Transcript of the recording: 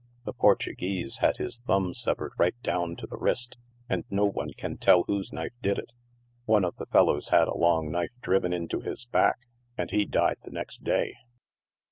The Portuguese had his thumb severed right down to the wrist, and no one can tell whose knife did it. One of the fellows Lad a long knife driven into his back, and he died the next day.